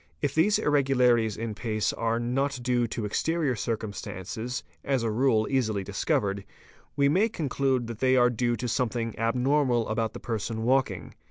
| If these irregularities in pace are not due to exterior circumstances, q as a rule easily discovered, we may conclude that they are due to some thing abnormal about the person walking.